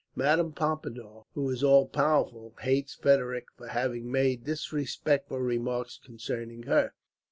Madame Pompadour, who is all powerful, hates Frederick for having made disrespectful remarks concerning her.